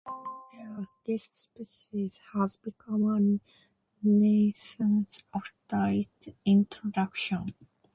In some areas, this species has become a nuisance after its introduction.